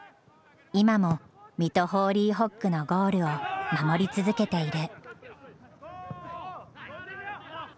今も水戸ホーリーホックのゴールを守り続けている。